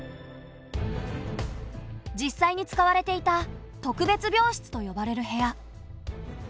実際に使われていた特別病室と呼ばれる部屋。